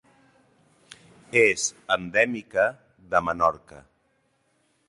És endèmica de Menorca.